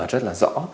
rất là rõ